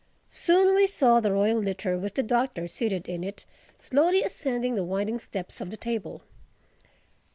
Soon we saw the royal litter, with the Doctor seated in it, slowly ascending the winding steps of the Table.